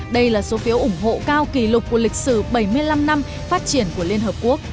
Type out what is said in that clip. đây là số phiếu ủng hộ cao kỷ lục của lịch sử bảy mươi năm năm phát triển của liên hợp quốc